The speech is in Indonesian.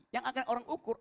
yang akan orang ukur